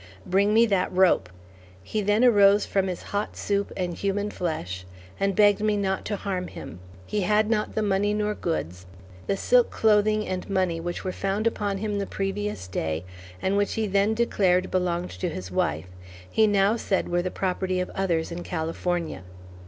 Bring me that rope!" He then arose from his hot soup and human flesh, and begged me not to harm him; he had not the money nor goods; the silk clothing and money which were found upon him the previous day and which he then declared belonged to his wife, he now said were the property of others in California.